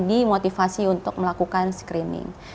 dimotivasi untuk melakukan screening